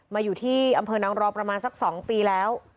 มาอยู่ที่อำเภอนางรอประมาณสัก๒ปีแล้ว